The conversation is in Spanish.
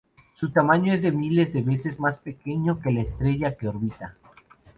Su tamaño es de miles de veces más pequeño que la estrella que orbita.